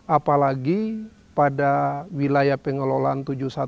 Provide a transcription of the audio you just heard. apalagi pada wilayah pengelolaan tujuh ratus tujuh belas